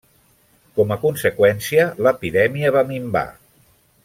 Com a conseqüència, l'epidèmia va minvar.